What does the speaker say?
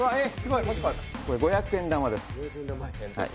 これ、五百円玉です。